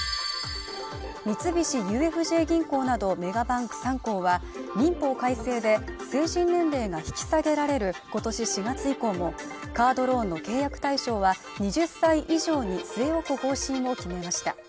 三菱ＵＦＪ銀行などメガバンク３行は民法改正で成人年齢が引き下げられることし４月以降もカードローンの契約対象は２０歳以上に据え置く方針を決めました